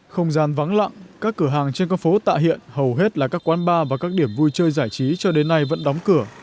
không gian vắng lặng các cửa hàng trên các phố tạ hiện hầu hết là các quán bar và các điểm vui chơi giải trí cho đến nay vẫn đóng cửa